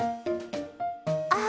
ああ。